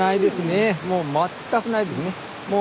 もう全くないですね。